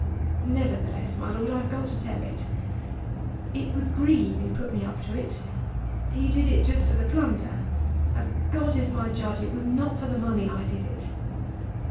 "Nevertheless, my Lord, I've got to tell it. It was Green who put me up to it. He did it just for the plunder. As God is my judge it was not for the money I did it."